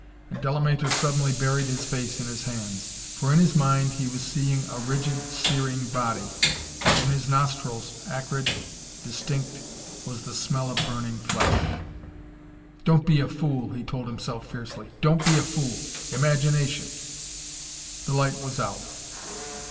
And Delamater suddenly buried his face in his hands. For in his mind he was seeing a rigid, searing body, and in his nostrils, acrid, distinct, was the smell of burning flesh. "Don't be a fool," he told himself fiercely. "Don't be a fool! Imagination!" The light was out.